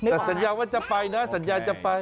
แต่สัญญาว่าจะไปนะสัญญาจะไป